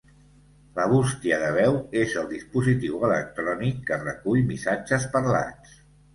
La bústia de veu és el dispositiu electrònic que recull missatges parlats.